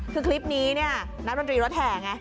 คือคลิปนี้เนี่ยนักดนตรีรถแห่ไง